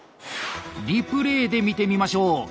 リプレーで見てみましょう。